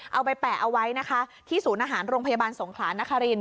เอาไปแปะเอาไว้นะคะที่ศูนย์อาหารโรงพยาบาลสงขลานคริน